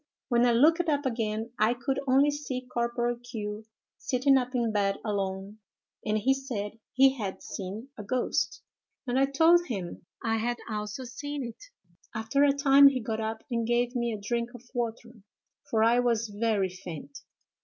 When I looked up again I could only see Corporal Q——, sitting up in bed alone, and he said he had seen a ghost; and I told him I had also seen it. After a time he got up and gave me a drink of water, for I was very faint.